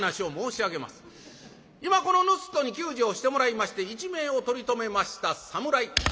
今このぬすっとに給仕をしてもらいまして一命を取り留めました侍。